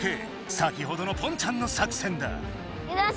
先ほどのポンちゃんの作戦だ！